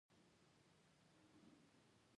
د غرونو واورې د سیندونو د اوبو مهمه سرچینه ده.